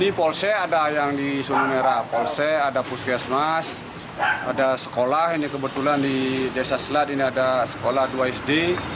di polsek ada yang di sulung merah polsek ada puskesmas ada sekolah ini kebetulan di desa selat ini ada sekolah dua sd